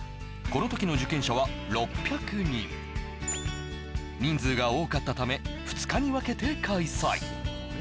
この時の受験者は６００人人数が多かったため２日に分けて開催